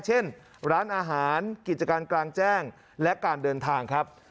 เช่นร้านอาหารกิจการกลางแจ้งและการเดินทางครับ